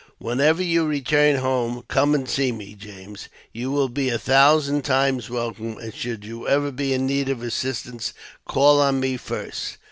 Whenever you return home, come and see me, James ; you will be a thousand times welcome ; and, should you ever be in need of assistance, call on m© first.